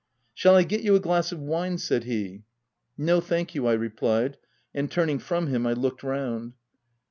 " Shall I get you a glass of wine ? v said he. "No, thank you," I replied; and turning from him, I looked round.